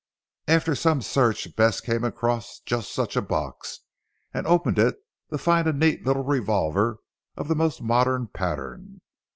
After some search Bess came across just such a box, and opened it to find a neat little revolver of the most modern pattern.